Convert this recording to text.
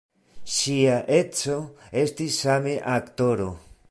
Ŝia edzo estis same aktoro.